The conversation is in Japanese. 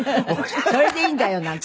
「それでいいんだよ」なんて？